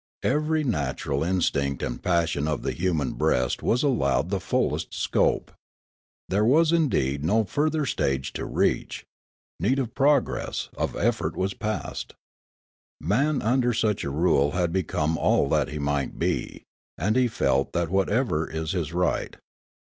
Every natural in stinct and passion of the human breast was allowed the fullest scope. There was indeed no further stage to reach ; need of progress, of effort was passed. Man under such a rule had become all that he might be, and he felt that whatever is is right.